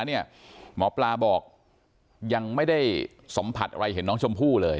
หมอปลาบอกยังไม่ได้สัมผัสอะไรเห็นน้องชมพู่เลย